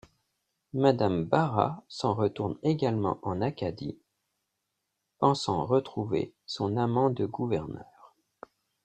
Madame Barrat s'en retourne également en Acadie, pensant retrouver son amant de gouverneur.